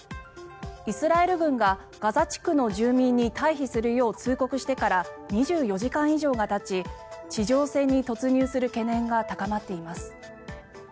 イスラエル軍がガザ地区の住民に退避するよう通告してから２４時間以上がたち地上戦に突入する懸念が高まっています。